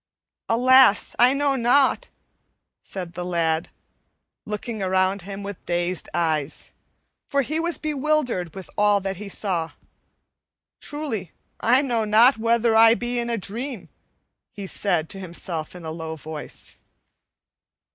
"Alas! I know not," said the lad, looking around him with dazed eyes, for he was bewildered with all that he saw. "Truly, I know not whether I be in a dream," said he to himself in a low voice.